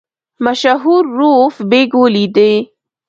مشهور رووف بېګ ولیدی.